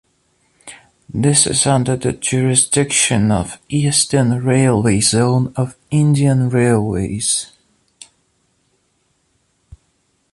This is under the jurisdiction of Eastern Railway zone of Indian Railways.